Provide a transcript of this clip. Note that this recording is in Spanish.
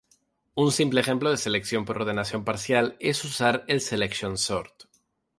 Un simple ejemplo de selección por ordenación parcial es usar el selection sort.